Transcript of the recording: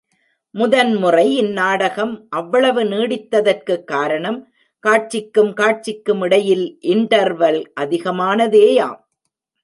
முதன் முறை இந்நாடகம் அவ்வளவு நீடித்ததற்குக் காரணம், காட்சிக்கும் காட்சிக்கும் இடையில் இண்டர்வெல் அதிகமானதேயாம்.